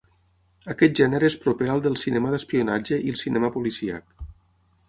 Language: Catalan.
Aquest gènere és proper al del cinema d'espionatge i el cinema policíac.